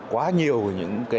quá nhiều những cái